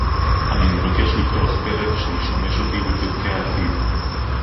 אני מבקש לפתוח פרק שישמש אותי בפרקי העתיד